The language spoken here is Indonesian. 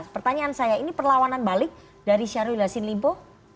pertanyaan saya ini perlawanan balik dari syarulilasin limpo